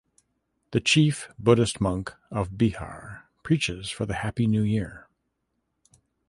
The chief Buddhist monk of Bihar preaches for the happy new year.